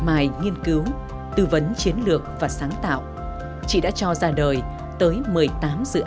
năm hai nghìn năm miệt mài nghiên cứu tư vấn chiến lược và sáng tạo chị đã cho ra đời tới một mươi tám dự án du lịch mang tư suy độc phá